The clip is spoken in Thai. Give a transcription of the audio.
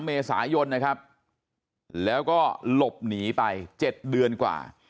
เมษายนนะครับแล้วก็หลบหนีไป๗เดือนกว่า